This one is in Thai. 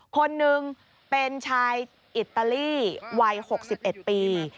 คนหนึ่งเป็นชายอิตาลีวัย๖๑ปี